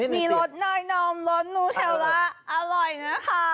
มีรสน้อยน้อมรสนูเซลล่ะอร่อยนะคะ